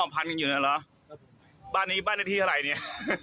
อ๋อพันธุ์เป็นอยู่นั่นหรอบ้านนี้บ้านในที่เท่าไรเนี่ย